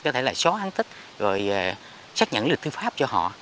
có thể là xóa án tích rồi xác nhận lịch thư pháp cho họ